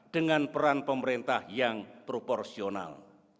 dengan peran pemerintah yang proporsional